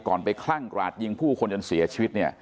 ก่อนไปคลั่งราชยิงผู้คนกันเสียชีวิต